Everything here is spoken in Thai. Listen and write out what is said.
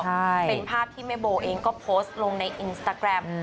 ใช่เป็นภาพที่แม่โบเองก็โพสต์ลงในอินสตาแกรม